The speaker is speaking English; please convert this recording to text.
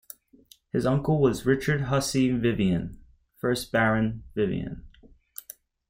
His uncle was Richard Hussey Vivian, first baron Vivian.